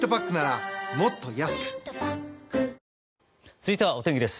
続いては、お天気です。